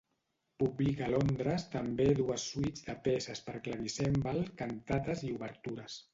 Publica a Londres també dues suites de peces per clavicèmbal, cantates i obertures.